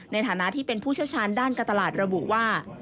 ในฐานะผู้ช่วยช้านด้านกตลาดระบุว่า